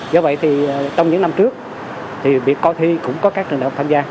do vậy thì trong những năm trước thì việc coi thi cũng có các trường đại học tham gia